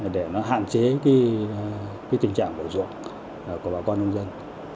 với cái tình trạng bỏ ruộng của bà con nông dân